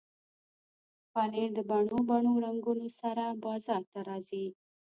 پنېر د بڼو بڼو رنګونو سره بازار ته راځي.